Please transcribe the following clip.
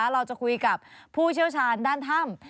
เราจะคุยกับผู้เชี่ยวชาญด้านถ้ำ